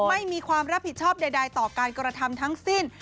ไม่มีความรับผิดชอบใดต่อการกระทำทั้งสิ้น